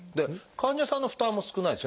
患者さんの負担も少ないですよね